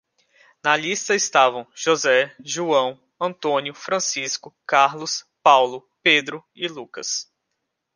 Na lista estavam: José, João, António, Francisco, Carlos, Paulo, Pedro e Lucas.